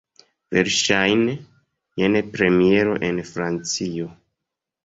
Verŝajne, jen premiero en Francio.